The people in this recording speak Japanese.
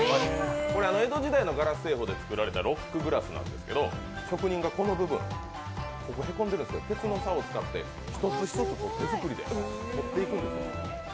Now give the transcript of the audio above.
江戸時代のガラス製法で作られたロックグラスなんですけど職人がこの部分、鉄のさおを使って、１つ１つ手作りで彫っていくんです。